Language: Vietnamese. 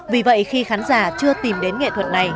vì vậy khi khán giả chưa tìm đến nghệ thuật này